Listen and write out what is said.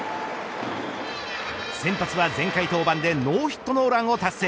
先発は前回登板でノーヒットノーランを達成。